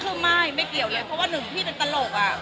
คือไม่ไม่เกี่ยวเลยเพราะว่าหนึ่งพี่เป็นตลก